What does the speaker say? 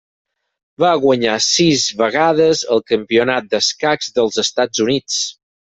Va guanyar sis vegades el Campionat d'escacs dels Estats Units.